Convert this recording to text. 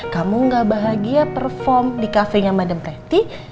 kamu gak bahagia perform di cafe nya madam pretty